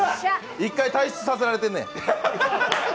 １回、退出させられてんねん。